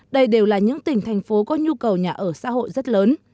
đây đều là những tỉnh thành phố có nhu cầu nhà ở xã hội rất lớn